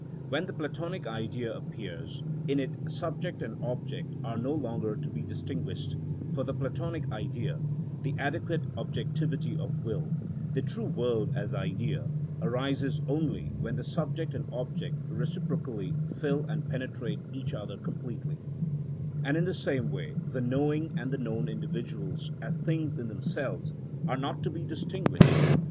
When the Platonic Idea appears, in it subject and object are no longer to be distinguished, for the Platonic Idea, the adequate objectivity of will, the true world as idea, arises only when the subject and object reciprocally fill and penetrate each other completely; and in the same way the knowing and the known individuals, as things in themselves, are not to be distinguished.